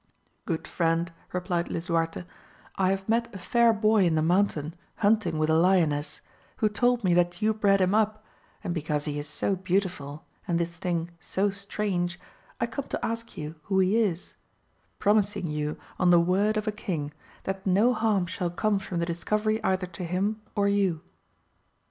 Good Mend, repUed Lisuarte, I have met a fair boy in the mountain hunting with a lioness, who told me that you bred him up, and because he is so beautiful and this thing so strange, I come to ask you who he is, promising you on the word of a king that no harm shall come from the discovery either to him or you.